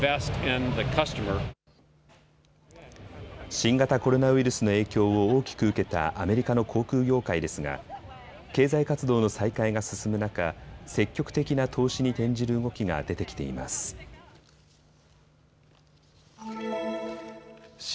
新型コロナウイルスの影響を大きく受けたアメリカの航空業界ですが経済活動の再開が進む中、積極的な投資に転じる動きが出てきています。